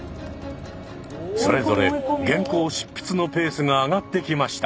それぞれ原稿執筆のペースが上がってきました。